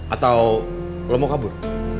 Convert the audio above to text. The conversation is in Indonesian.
atau lo mau kabur